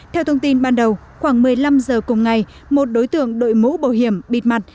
theo thông tin ban đầu khoảng một mươi năm giờ cùng ngày một đối tượng đội mũ bảo hiểm bịt mặt